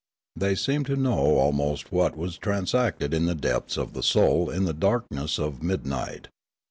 The} seemed to know almost what was transacted in the depths of the soul in the darkness of midnight.